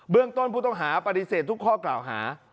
เรื่องต้นผู้ต้องหาปฏิเสธทุกข้อกล่าวหา